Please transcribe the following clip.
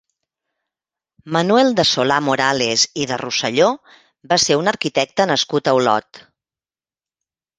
Manuel de Solà-Morales i de Rosselló va ser un arquitecte nascut a Olot.